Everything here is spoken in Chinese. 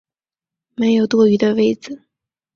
没有多余的位子